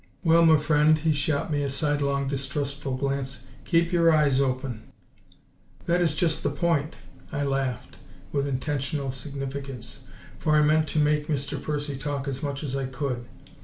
"Well, m'friend" he shot me a sidelong, distrustful glance "keep yer eyes open." "That is just the point!" I laughed, with intentional significance, for I meant to make Mr. Percy talk as much as I could.